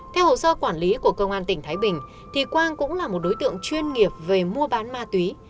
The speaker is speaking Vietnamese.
theo hồ sơ quản lý của công an tỉnh thái bình thì quang cũng là một đối tượng chuyên nghiệp về mua bán ma túy